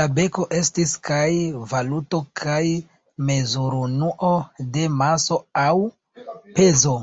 La beko estis kaj valuto kaj mezurunuo de maso aŭ pezo.